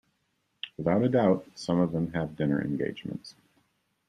Without a doubt, some of them have dinner engagements.